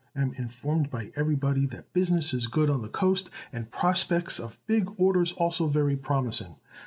Am informed by everybody that business is good on the coast and prospects of big orders also very promising.